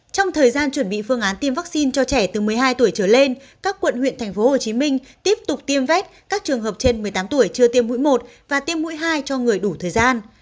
trong thời gian chuẩn bị phương án tiêm vaccine cho trẻ từ một mươi hai tuổi trở lên các quận huyện tp hcm tiếp tục tiêm vét các trường hợp trên một mươi tám tuổi chưa tiêm mũi một và tiêm mũi hai cho người đủ thời gian